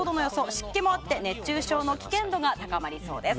湿気もあって熱中症の危険度が高まりそうです。